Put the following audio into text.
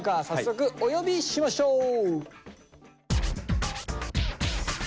早速お呼びしましょう！